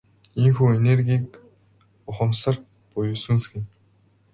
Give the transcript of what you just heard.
Энэхүү энергийг ухамсар буюу сүнс гэнэ.